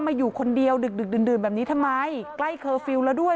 มาอยู่คนเดียวดึกดึกดื่นแบบนี้ทำไมใกล้เคอร์ฟิลล์แล้วด้วย